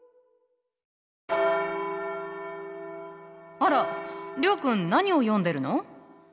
あら諒君何を読んでるの？